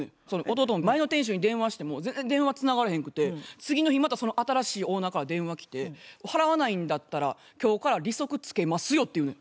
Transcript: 弟も前の店主に電話しても全然電話つながらへんくて次の日またその新しいオーナーから電話きて「払わないんだったら今日から利息つけますよ」って言うねん。